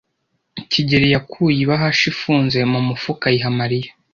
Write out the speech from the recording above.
kigeli yakuye ibahasha ifunze mu mufuka ayiha Mariya.